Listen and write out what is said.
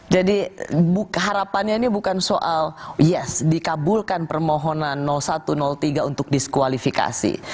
jadi harapannya ini bukan soal yes dikabulkan permohonan satu tiga untuk diskualifikasi